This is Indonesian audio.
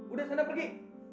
udah sendak pergi